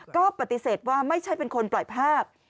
ก็ปฏิเสธว่าไม่ใช่เป็นคนปล่อยภาพ